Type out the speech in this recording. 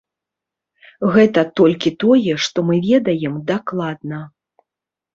Гэта толькі тое, што мы ведаем дакладна.